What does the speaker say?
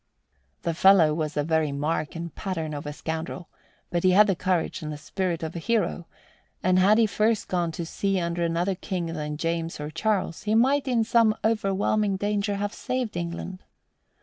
The fellow was a very mark and pattern of a scoundrel, but he had the courage and spirit of a hero, and had he first gone to sea under another king than James or Charles he might in some overwhelming danger have saved England.